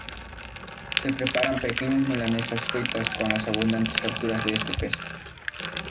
Se preparan pequeñas milanesas fritas con las abundantes capturas de este pez.